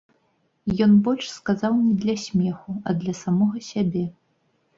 Ён больш сказаў не для смеху, а для самога сябе.